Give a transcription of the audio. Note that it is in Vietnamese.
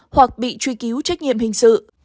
hoặc bị truy cứu trách nhiệm hình sự